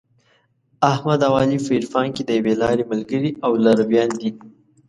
احمد او علي په عرفان کې د یوې لارې ملګري او لارویان دي.